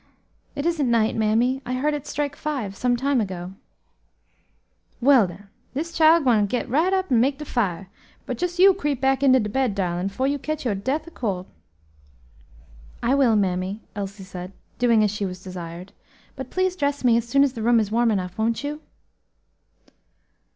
"It isn't night, mammy; I heard it strike five some time ago." "Well, den, dis chile gwine get right up an' make de fire. But jes you creep back into de bed, darlin', 'fore you cotch your death ob cold." "I will, mammy," Elsie said, doing as she was desired; "but please dress me as soon as the room is warm enough, won't you?"